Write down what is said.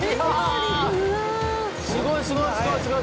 すごいすごいすごい。